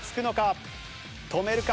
止めるか？